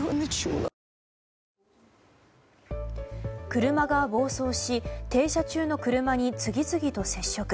車が暴走し、停車中の車に次々と接触。